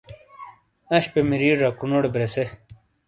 اشپے مری جکونوٹے برژے